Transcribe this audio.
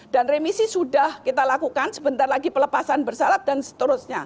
dan remisi sudah kita lakukan sebentar lagi pelepasan bersalat dan seterusnya